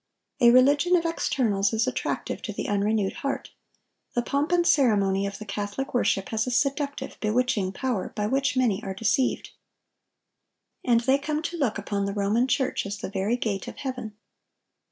A religion of externals is attractive to the unrenewed heart. The pomp and ceremony of the Catholic worship has a seductive, bewitching power, by which many are deceived; and they come to look upon the Roman Church as the very gate of heaven.